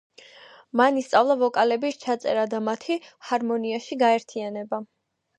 მან ისწავლა ვოკალების ჩაწერა და მათი ჰარმონიაში გაერთიანება.